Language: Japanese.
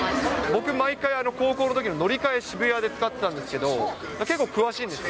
僕、毎回、高校のときの乗り換え、渋谷で使ってたんですけど、はい。